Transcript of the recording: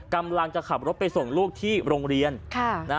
กำลังจะขับรถไปส่งลูกที่โรงเรียน